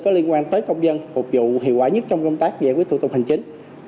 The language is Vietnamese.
có liên quan tới công dân phục vụ hiệu quả nhất trong công tác giải quyết thủ tục hành chính